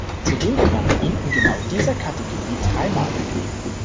Zudem gewann er ihn in genau dieser Kategorie dreimal.